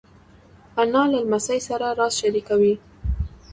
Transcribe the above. انا له لمسۍ سره راز شریکوي